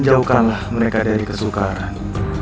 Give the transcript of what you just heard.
dan jauhkanlah mereka dari kesukaran